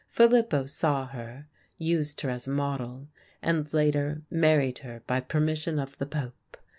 Filippo saw her, used her as a model, and later married her by permission of the Pope.